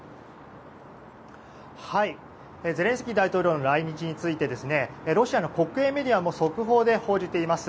ゼレンスキー大統領の来日についてロシアの国営メディアも速報で報じています。